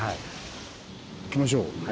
行きましょう。